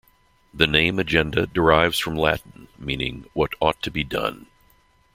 The name Agenda derives from Latin meaning "what ought to be done".